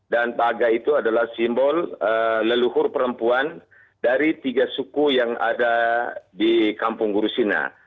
dan paga itu adalah simbol leluhur perempuan dari tiga suku yang ada di kampung gurusina